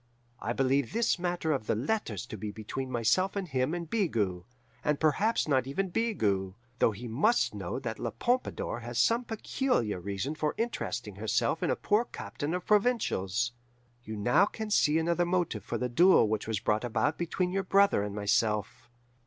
I believe this matter of the letters to be between myself and him and Bigot and perhaps not even Bigot, though he must know that La Pompadour has some peculiar reason for interesting herself in a poor captain of provincials. You now can see another motive for the duel which was brought about between your brother and myself.